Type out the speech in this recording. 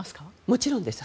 もちろんです。